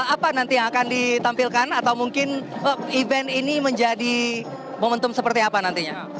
apa nanti yang akan ditampilkan atau mungkin event ini menjadi momentum seperti apa nantinya